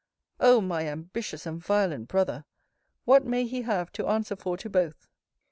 Oh! my ambitious and violent brother! What may he have to answer for to both!